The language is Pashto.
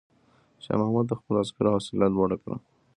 شاه محمود د خپلو عسکرو حوصله لوړه کړه.